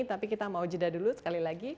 tapi kita mau jeda dulu sekali lagi